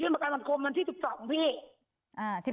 ยื่นประกันกรรมวันที่๑๒พี่